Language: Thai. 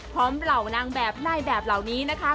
เหล่านางแบบนายแบบเหล่านี้นะคะ